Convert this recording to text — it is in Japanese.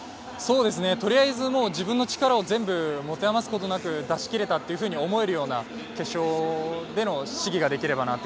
とりあえず自分の力を全部持て余すことなく出し切れたと思えるような決勝での試技がで